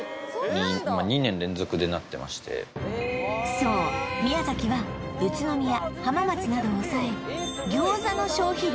そう宮崎は宇都宮浜松などを抑え餃子の消費量